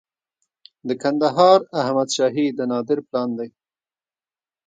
د کندهار احمد شاهي د نادر پلان دی